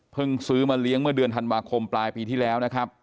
ซื้อมาเลี้ยงเมื่อเดือนธันวาคมปลายปีที่แล้วนะครับ